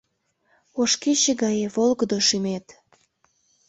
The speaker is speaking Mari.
Ош кече гае волгыдо шӱмет.